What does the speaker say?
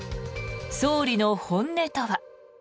総理の本音とは。